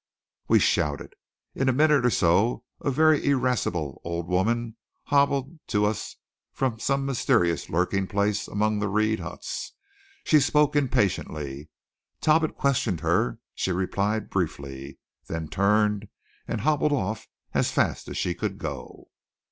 We shouted. In a minute or so a very irascible old woman hobbled to us from some mysterious lurking place among the reed huts. She spoke impatiently. Talbot questioned her; she replied briefly, then turned and hobbled off as fast as she could go.